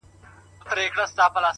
او زما د غرونو غم لړلې کيسه نه ختمېده!!